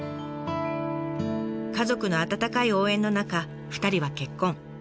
家族の温かい応援の中２人は結婚。